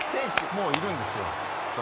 もういるんですよ。